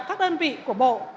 các đơn vị của bộ